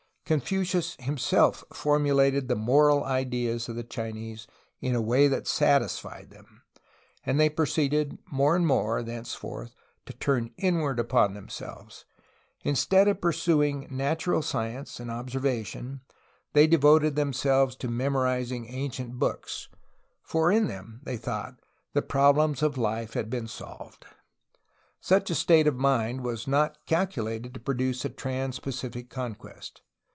Confucius himself formulated the moral ideas of the Chinese in a way that satisfied them, and they proceeded more and more, thenceforth, to turn inward upon them selves. Instead of pursuing natural science and observa tion, they devoted themselves to memorizing ancient books, for in them, they thought, the problems of life had been 30 A HISTORY OF CALIFORNIA solved. Such a state of mind was not calculated to produce a trans Pacific conquest.